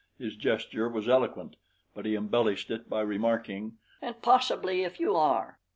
His gesture was eloquent; but he embellished it by remarking, "And possibly if you are."